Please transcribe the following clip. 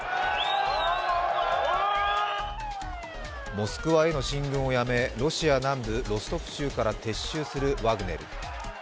モスクワへの進軍をやめ、ロシア南部ロストフ州から撤収するワグネル。